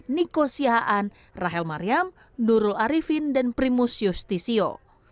niko sihaan rahel maryam nurul arifin dan primus justisio